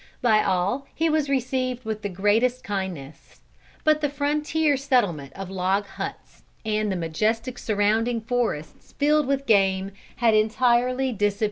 By all he was received with the greatest kindness. But the frontier settlement of log huts, and the majestic surrounding forests filled with game, had entirely disappeared.